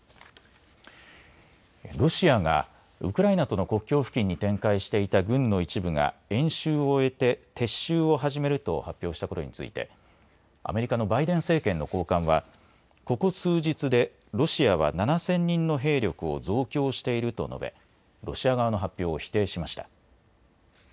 ロシアがウクライナとの国境付近に展開していた軍の一部が演習を終えて撤収を始めると発表したことについてアメリカのバイデン政権の高官はここ数日でロシアは７０００人の兵力を増強していると述べ、ロシア側の発表を否定しました。